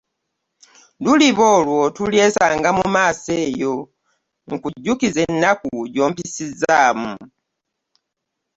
Luliba olwo tulyesanga mu maaso eyo nkujukize ennaku gy'ompisizaamu.